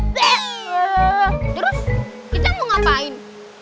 terus kita mau ngapain